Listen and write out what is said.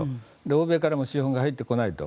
欧米からも資本が入ってこないと。